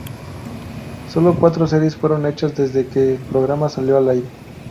Solo cuatro series fueron hechas desde que el programa salió al aire.